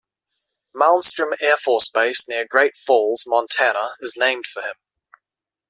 Malmstrom Air Force Base near Great Falls, Montana is named for him.